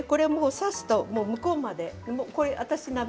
刺すと向こうまで。